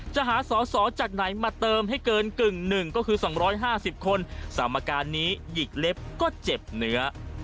จะหาสอสอจากไหนมาเติมให้เกินกึ่งหนึ่งก็คือ๒๕๐คนสมการนี้หยิกเล็บก็เจ็บเนื้อ